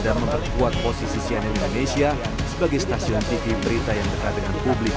dan memperkuat posisi cnn indonesia sebagai stasiun tv berita yang dekat dengan publik